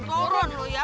turun lo ya